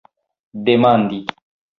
demandi